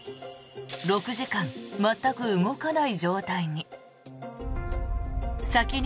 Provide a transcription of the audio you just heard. ６時間全く動かない状態に。